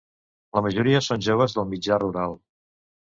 La majoria són joves del mitjà rural.